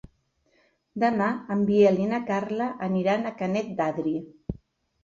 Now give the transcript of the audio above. Demà en Biel i na Carla aniran a Canet d'Adri.